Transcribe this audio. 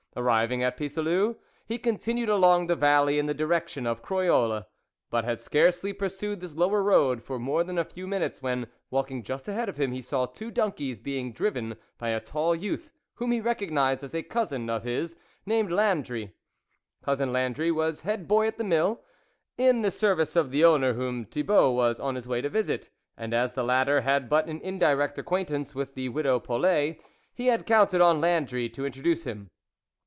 Arriving at Pisseleu, he continued along the valley in the direction of Croyolles, but had scarcely pursued this lower road for more than a few minutes, when, walking just ahead of him, he saw two donkeys being driven by a tall youth, whom he recognised as a cousin of his, named Landry. Cousin Landry was head boy at the mill, in the service of the owner whom Thibault was on his way to visit, and as the latter had but an indirect acquaintance with the widow Polet, he had counted on Landry to introduce him.